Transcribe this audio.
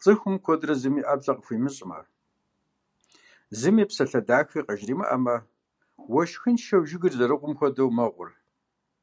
Цӏыхум, куэдрэ зыми ӏэплӏэ къыхуимыщӏмэ, зыми псалъэ дахэ къыжримыӏэмэ, уэшхыншэу жыгыр зэрыгьум хуэдэу мэгъур.